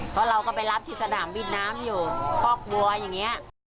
เพราะเราก็ไปรับที่สนามบินน้ำอยู่คอกบัวอย่างนี้